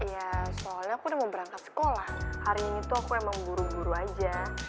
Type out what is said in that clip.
iya soalnya aku udah mau berangkat sekolah hari ini tuh aku emang buru buru aja